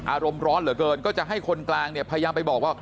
อารมณ์ร้อนเหลือเกินก็จะให้คนกลางเนี่ยพยายามไปบอกว่า